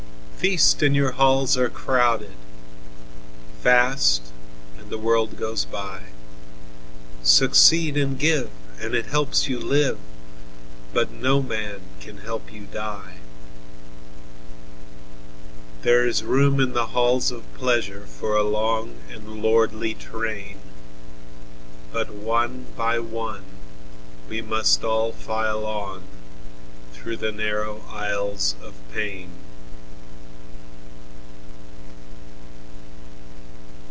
Feast, and your halls are crowded; Fast, and the world goes by. Succeed and give, and it helps you live, But no man can help you die. There is room in the halls of pleasure For a long and lordly train, But one by one we must all file on Through the narrow aisles of pain.